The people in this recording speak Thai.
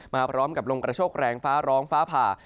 มาพร้อมกับลมกระโชคแรงฟ้าร้องฟ้าผ่า